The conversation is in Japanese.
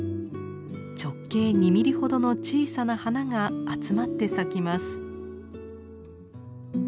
直径２ミリほどの小さな花が集まって咲きます。